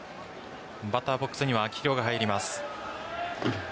バッターボックスには秋広が入ります。